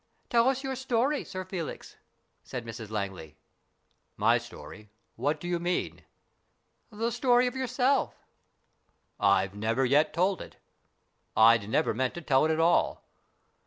" Tell us your story, Sir Felix," said Mrs Langley. " My story ? What do you mean ?"" The story of yourself." " I've never yet told it. I'd never meant to tell it at all.